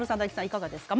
いかがですか？